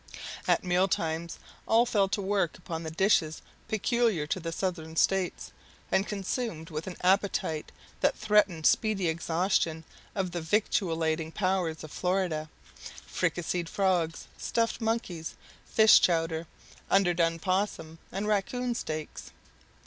At meal times all fell to work upon the dishes peculiar to the Southern States, and consumed with an appetite that threatened speedy exhaustion of the victualing powers of Florida, fricasseed frogs, stuffed monkey, fish chowder, underdone 'possum, and raccoon steaks.